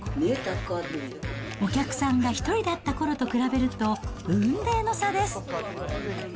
お客さんが１人だったころと比べると雲泥の差です。